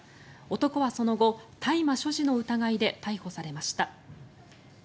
男はその後、大麻所持の疑いで逮捕されました。